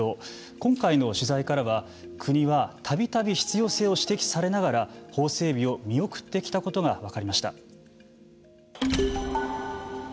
今回の取材からは国はたびたび必要性を指摘されながら法整備を見送ってきたことが分かりました。